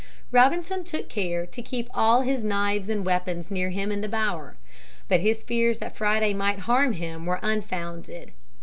Robinson took care to keep all his knives and weapons near him in the bower. But his fears that Friday might harm him were unfounded.